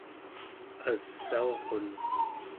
asaurun